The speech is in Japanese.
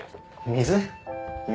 水？